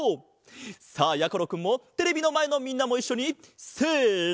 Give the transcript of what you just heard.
さあやころくんもテレビのまえのみんなもいっしょにせの！